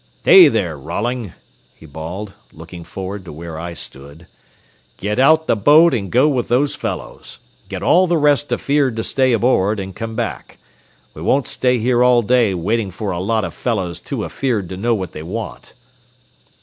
Hey, there, Rolling," he bawled, looking forward to where I stood, "get out the boat and go with those fellows. Get all the rest afeard to stay aboard, and come back. We won't stay here all day waiting for a lot of fellows too afeard to know what they want."